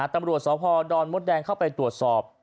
ตำรวจสพดอนมดแดงเข้าไปตรวจสอบ